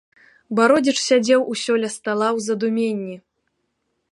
Бародзіч сядзеў усё ля стала ў задуменні.